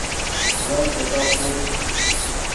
وس ڤے تو خوت